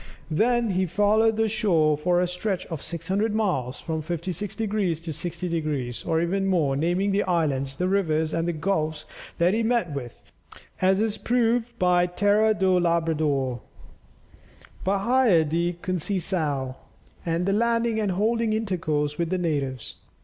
Then he followed the shore for a stretch of 600 miles, from 56 degrees to 60 degrees, or even more, naming the islands, the rivers, and the gulfs that he met with, as is proved by Terra do Labrador, Bahia de Conceiçao, &c., and landing and holding intercourse with the natives.